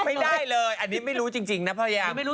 ไม่ได้เลยอันนี้ไม่รู้จริงนะพยายามไม่รู้